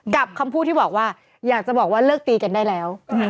คำพูดที่บอกว่าอยากจะบอกว่าเลิกตีกันได้แล้ว